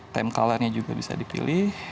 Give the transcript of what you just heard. time color nya juga bisa dipilih